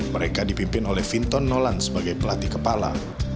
mereka dipimpin oleh vinton nolan sebagai pelatih kepala